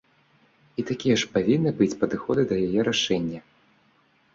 І такія ж павінны быць падыходы да яе рашэння.